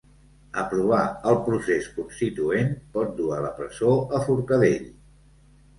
Aprovar el procés constituent pot dur a la presó a Forcadell